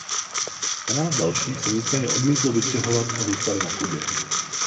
Dvanáct dalších se nicméně odmítlo vystěhovat a zůstali na Kubě.